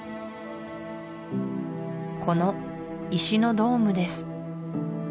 この石のドームです